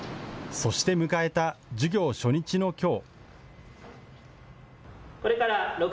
そして迎えた授業初日のきょう。